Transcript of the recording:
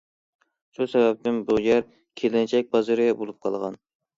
شۇ سەۋەبتىن بۇ يەر كېلىنچەك بازىرى بولۇپ قالغان.